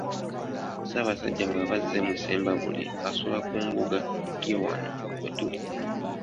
Ssaabassajja bw’aba azze mu Ssembabule, asula ku mbuga ye wano we tuli.